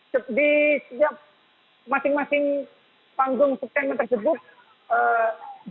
jadi setiap masing masing panggung september tersebut